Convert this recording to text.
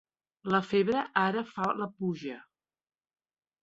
La febre ara fa la puja.